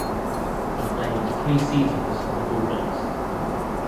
He played three seasons for the Bulldogs.